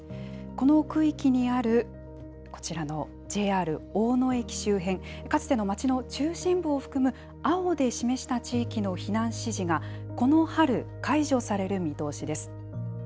この区域にある、こちらのＪＲ大野駅周辺、かつての町の中心部を含む青で示した地域の避難指示が、この春、解除される見通しです。